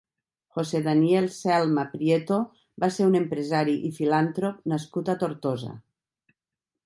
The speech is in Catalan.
José Daniel Celma Prieto va ser un empresari i filàntrop nascut a Tortosa.